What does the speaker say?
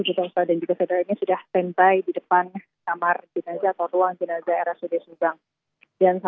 jadi ini adalah satu jenazah yang tidak bisa diangkat